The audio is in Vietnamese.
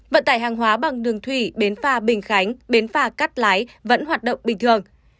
vận tải hàng hóa bằng đường thủy bến phà bình khánh bến phà cắt lái vẫn hoạt động bình thường